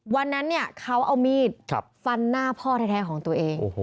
วันนั้นเขาเอามีดฟันหน้าพ่อแท้ของตัวเอง